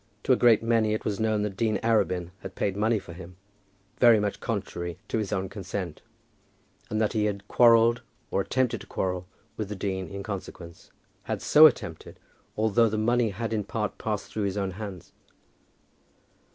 To a great many it was known that Dean Arabin had paid money for him, very much contrary to his own consent, and that he had quarrelled, or attempted to quarrel, with the dean in consequence, had so attempted, although the money had in part passed through his own hands.